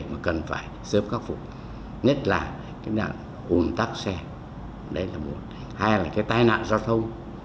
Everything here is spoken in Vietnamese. mà cần phải sớm khắc phục nhất là cái nạn ung tắc xe hay là cái tai nạn giao thông